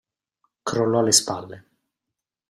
Crollò le spalle.